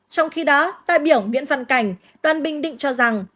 trong khi đó đại biểu nguyễn văn cảnh đoàn bình định cho rằng